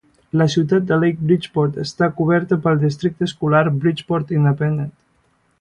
La ciutat de Lake Bridgeport està coberta pel districte escolar Bridgeport Independent.